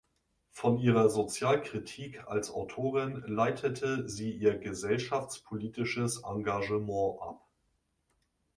Von ihrer Sozialkritik als Autorin leitete sie ihr gesellschaftspolitisches Engagement ab.